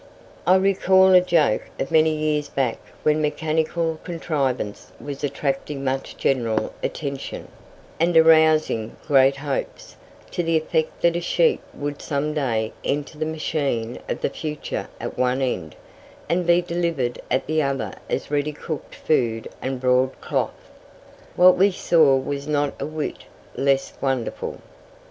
I recall a joke of many years back when mechanical contrivance was attracting much general attention, and arousing great hopes, to the effect that a sheep would some day enter the machine of the future at one end, and be delivered at the other as ready cooked food and broad cloth. What we saw was not a whit less wonderful.